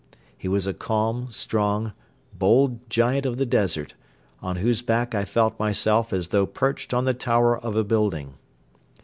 He was a calm, strong, bold giant of the desert, on whose back I felt myself as though perched on the tower of a building.